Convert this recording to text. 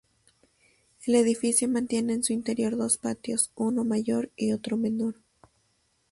El edificio mantiene en su interior dos patios, uno mayor y otro menor.